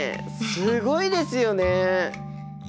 すごいですよね！